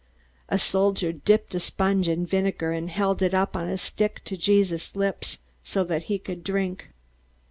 A soldier dipped a sponge in vinegar, and held it up on a stick to Jesus' lips so that he could drink.